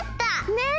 ねえ！